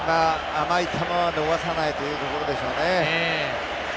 甘い球は逃さないというところでしょうね。